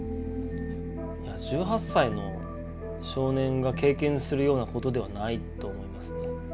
１８歳の少年が経験するようなことではないと思いますね。